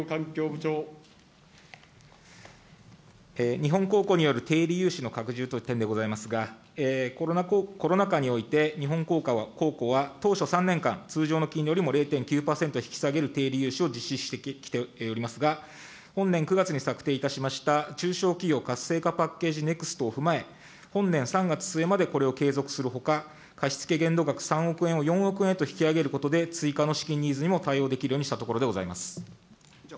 日本公庫による低利融資の拡充という点でございますが、コロナ禍において、日本公庫は当初３年間、通常の金利よりも０．９％引き下げる低利融資を実施してきておりますが、本年９月に策定いたしました中小企業活性化パッケージネクストを踏まえ、本年３月末までこれを継続するほか、貸し付け限度額３億円を４億円へと引き上げることで、追加の資金ニーズにも対応できるようにしたところでございます。